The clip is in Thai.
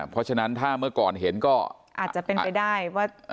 เพราะฉะนั้นถ้าเมื่อก่อนเห็นก็อาจจะเป็นไปได้ว่า